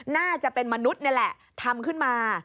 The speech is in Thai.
น่าจะเป็นมนุษย์นี่แหละทำขึ้นมา